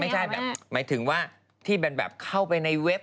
ไม่ใช่หมายถึงว่าที่แบบข้อไปในเว็บ